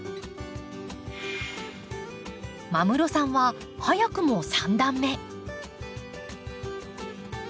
間室さんは早くも３段目。